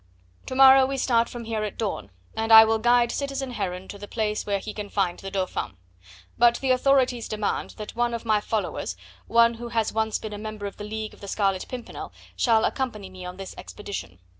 To morrow we start from here at dawn; and I will guide citizen Heron to the place where he can find the Dauphin. But the authorities demand that one of my followers, one who has once been a member of the League of the Scarlet Pimpernel, shall accompany me on this expedition.